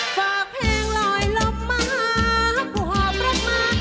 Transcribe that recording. ฝากเพลงลอยลบมาขอบรบมา